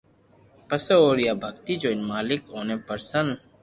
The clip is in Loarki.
پسو اوري آ ڀگتي جوئين مالڪ اوتي پرسن